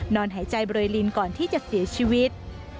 หายใจเรยลินก่อนที่จะเสียชีวิต